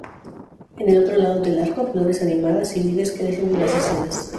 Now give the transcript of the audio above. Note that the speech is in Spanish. En el otro lado del arco, flores animadas y vides crecen en las escenas.